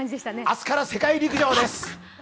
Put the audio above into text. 明日から世界陸上です。